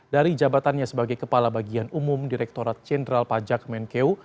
dari jabatannya sebagai kepala bagian umum direkturat jenderal pajak menkeu